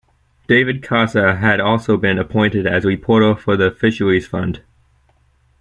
David Casa had also been appointed as reporter for the Fisheries Fund.